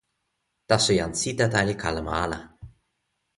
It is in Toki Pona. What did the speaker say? taso jan Sitata li kalama ala.